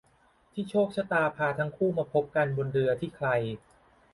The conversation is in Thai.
ที่โชคชะตาพาทั้งคู่มาพบกันบนเรือที่ใคร